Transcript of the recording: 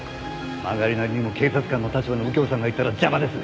曲がりなりにも警察官の立場の右京さんがいたら邪魔です。